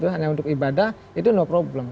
hanya untuk ibadah itu no problem